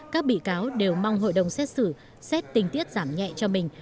các bị cáo đều mong hội đồng xét xử xét tình tiết giảm nhẹ cho mình